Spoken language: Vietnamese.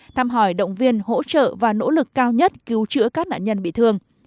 thăm hỏi động viên hỗ trợ và nỗ lực cao nhất cứu chữa các nạn nhân bị thương